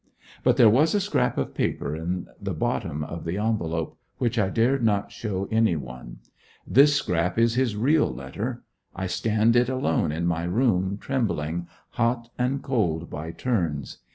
But there was a scrap of paper in the bottom of the envelope, which I dared not show any one. This scrap is his real letter: I scanned it alone in my room, trembling, hot and cold by turns.